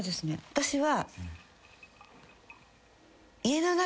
私は。